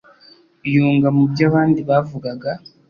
yunga mu byo abandi bavugaga,